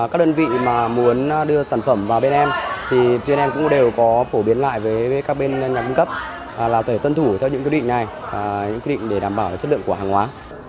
các đơn vị mà muốn đưa sản phẩm vào bên em thì ctvnm cũng đều có phổ biến lại với các bên nhà cung cấp là có thể tân thủ theo những quy định này những quy định để đảm bảo chất lượng của hàng hóa